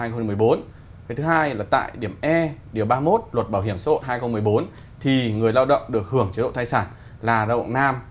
cái thứ hai là tại điểm e điều ba mươi một luật bảo hiểm xã hội hai nghìn một mươi bốn thì người lao động được hưởng chế độ thai sản là lao động nam